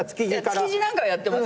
築地なんかはやってますよ。